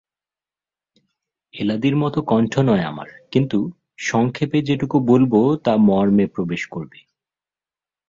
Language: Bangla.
এলাদির মতো কণ্ঠ নয় আমার, কিন্তু সংক্ষেপে যেটুকু বলব তা মর্মে প্রবেশ করবে।